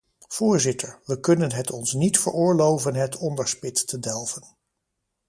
Voorzitter, we kunnen het ons niet veroorloven het onderspit te delven.